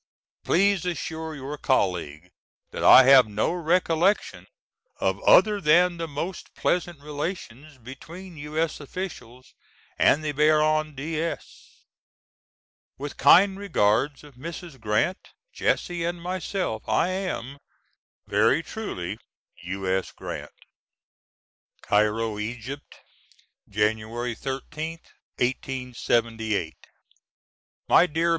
Please assure your colleague that I have no recollection of other than the most pleasant relations between U.S. officials and the Baron de S. With kind regards of Mrs. Grant, Jesse and myself, I am, Very truly, U.S. GRANT. Cairo, Egypt, Jan'y 13th, '78. MY DEAR MR.